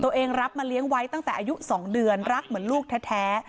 รับมาเลี้ยงไว้ตั้งแต่อายุ๒เดือนรักเหมือนลูกแท้